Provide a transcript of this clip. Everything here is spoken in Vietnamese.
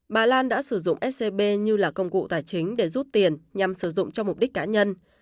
bà lan đã sử dụng scb như là công cụ tài chính để rút tiền nhằm sử dụng cho mục đích cá nhân